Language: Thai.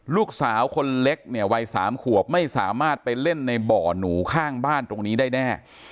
ลูกสาวคนเล็กเนี่ยวัย๓ขวบไม่สามารถไปเล่นในบ่อหนูข้างบ้านตรงนี้ได้แน่